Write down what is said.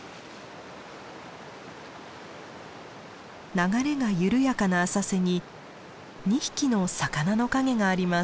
流れが緩やかな浅瀬に２匹の魚の影があります。